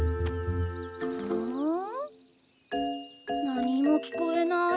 何も聞こえない。